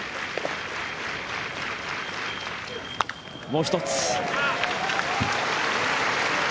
もう１つ。